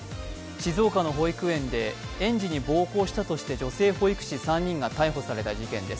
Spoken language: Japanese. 静岡の保育園で園児に暴行したとして女性保育士３人が逮捕された事件です。